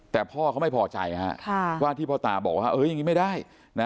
แต่พ่อเขาไม่พอใจว่าที่พ่อตาบอกว่าอย่างนี้ไม่ได้